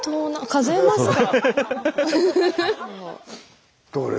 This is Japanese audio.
数えますか？